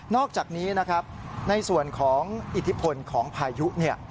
อกจากนี้นะครับในส่วนของอิทธิพลของพายุเนี่ย